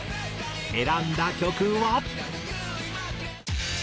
選んだ曲は。